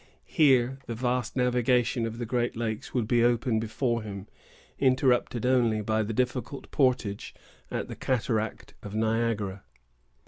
Here the vast navigation of the Great Lakes would be open before him, interrupted only by the difficult portage at the Cataract of Niagara.